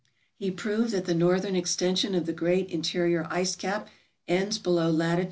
"He proved that the northern extension of the great interior ice cap ends below lat.